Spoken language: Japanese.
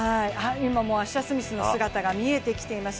今もアッシャー・スミスの姿が見えています。